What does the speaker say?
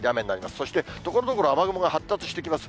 そして、ところどころ、雨雲が発達してきます。